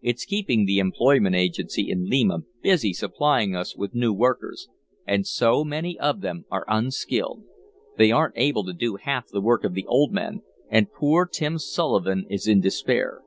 It's keeping the employment agency in Lima busy supplying us with new workers. And so many of them are unskilled. They aren't able to do half the work of the old men, and poor Tim Sullivan is in despair."